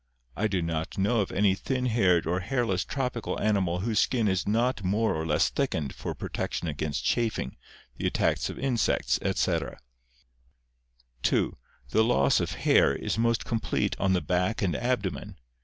I do not know of any thin haired or hairless tropical animal whose skin is not more or less thickened for protection against chafing, the attacks of insects, etc. (2) The loss [of hair] is most complete on the back and abdo men.